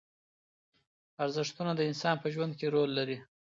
ارزښتونه د انسان په ژوند کې رول لري.